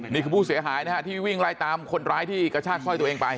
ผู้เสียหายนะฮะที่วิ่งไล่ตามคนร้ายที่กระชากสร้อยตัวเองไป